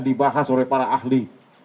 dibahas oleh para ahli